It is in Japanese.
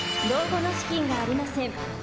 老後の資金がありません！